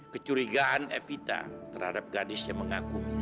kecurigaan epita terhadap gadis yang mengaku mira